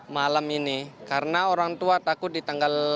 malam ini karena orang tua takut di tanggal dua puluh enam